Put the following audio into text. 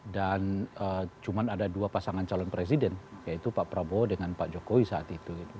dan cuma ada dua pasangan calon presiden yaitu pak prabowo dengan pak jokowi saat itu